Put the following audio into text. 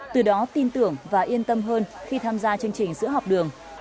từ đó tin tưởng và yên tâm hơn khi tham gia chương trình sữa học đường